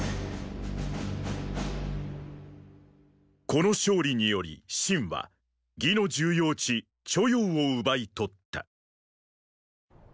この勝利により秦は魏の重要地「著雍」を奪い取った。